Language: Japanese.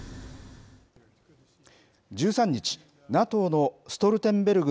１３日、ＮＡＴＯのストルテンベルグ